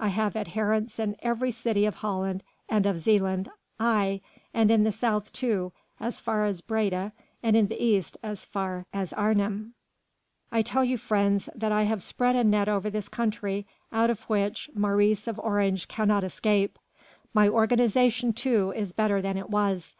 I have adherents in every city of Holland and of Zealand, aye, and in the south too as far as Breda and in the east as far as Arnhem. I tell you, friends, that I have spread a net over this country out of which Maurice of Orange cannot escape. My organisation too is better than it was.